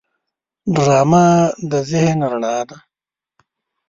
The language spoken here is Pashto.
ډرامه د ذهن رڼا ده